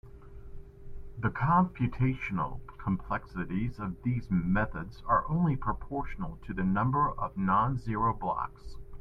The computational complexities of these methods are only proportional to the number of non-zero blocks.